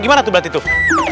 gimana tuh berarti tuh